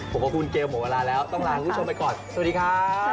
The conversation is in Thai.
ผมกับคุณเกลหมดเวลาแล้วต้องลาคุณผู้ชมไปก่อนสวัสดีครับ